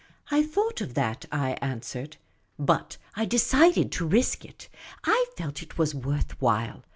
" I thought of that," I answered. " But I decided to risk it. I felt it was worth while.